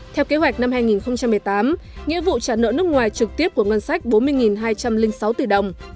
theo kế hoạch năm hai nghìn một mươi tám nghĩa vụ trả nợ nước ngoài trực tiếp của ngân sách bốn mươi hai trăm linh sáu tỷ đồng